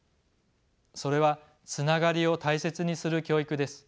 それはつながりを大切にする教育です。